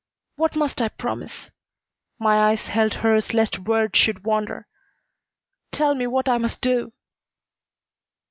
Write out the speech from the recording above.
"What must I promise?" My eyes held hers lest words should wander. "Tell me what I must do?"